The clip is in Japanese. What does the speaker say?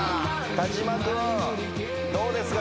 田島君どうですか？